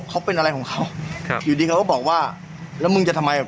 เขาเป็นอะไรของเขาครับอยู่ดีเขาก็บอกว่าแล้วมึงจะทำไม